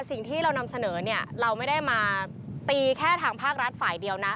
สิ่งที่เรานำเสนอเนี่ยเราไม่ได้มาตีแค่ทางภาครัฐฝ่ายเดียวนะ